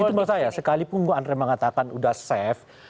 itu makanya sekalipun gue antre mengatakan udah safe